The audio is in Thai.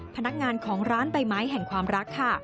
พนักงานของร้านใบไม้แห่งความรักค่ะ